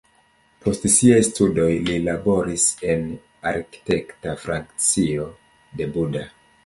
Post siaj studoj li laboris en arkitekta frakcio de Buda.